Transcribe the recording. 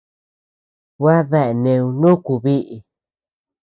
Gua dea neu nuku biʼi.